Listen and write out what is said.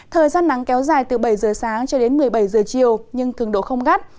thời gian nắng kéo dài từ bảy giờ sáng cho đến một mươi bảy giờ chiều nhưng cường độ không gắt